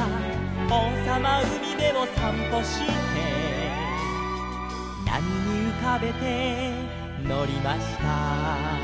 「おうさまうみべをさんぽして」「なみにうかべてのりました」